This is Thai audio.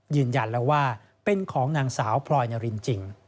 ยืนยันแล้วว่าเป็นของนางสาวพลอยนารินจริง